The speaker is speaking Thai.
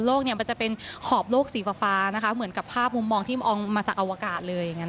โลกนี้มันจะเป็นขอบโลกสีฟ้าแบบโลกอวกาศ